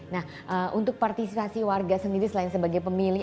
nah untuk partisipasi warga sendiri selain sebagai pemilih